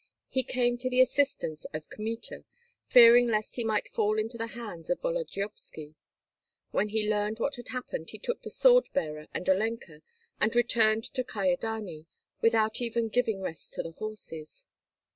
He came to the assistance of Kmita, fearing lest he might fall into the hands of Volodyovski. When he learned what had happened he took the sword bearer and Olenka and returned to Kyedani, without even giving rest to the horses.